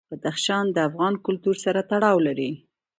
بدخشان د افغان کلتور سره تړاو لري.